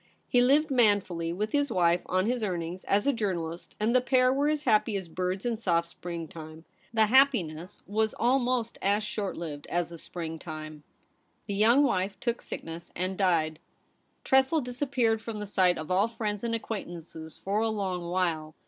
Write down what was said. He lived manfully with his wife on his earnings as a journalist, and the pair were as happy as birds in soft spring time. The happiness was almost as short lived as a spring time. The young wife took sickness and died. Tressel dis MADAME SPINOLA AT HOME. 123 appeared from the sight of all friends and acquaintances for a long while.